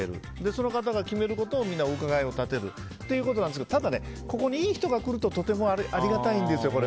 その方が決めることをみんなお伺いを立てるってことなんですけどただ、ここにいい人が来るととてもありがたいんですよ。